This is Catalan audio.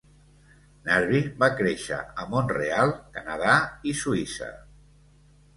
Narby va créixer a Mont-real, Canadà i Suïssa.